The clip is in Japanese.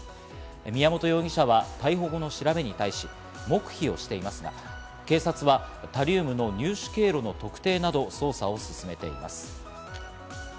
宮本容疑者は、逮捕後の調べに対し、黙秘をしていますが、警察はタリウムの入手経路の特定など捜査を進めています。